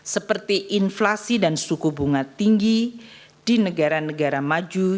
seperti inflasi dan suku bunga tinggi di negara negara maju